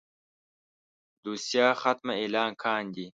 دوسيه ختمه اعلان کاندي.